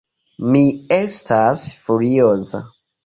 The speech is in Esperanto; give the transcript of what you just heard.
Mi estas furioza!